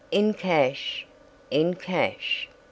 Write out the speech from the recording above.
"In cash?" "In cash."